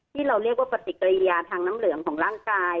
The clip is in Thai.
ที่เราเรียกว่าปฏิกิริยาทางน้ำเหลืองของร่างกาย